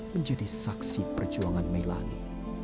menjadi saksi perjuangan mailani